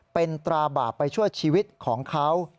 เป็นตราบาปไปชั่วชีวิตของเขา